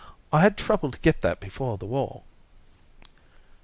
I had trouble to get that before the war."